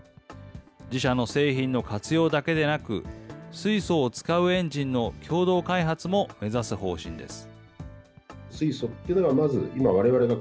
自社の製品の活用だけでなく、水素を使うエンジンの共同開発も目指す方針です。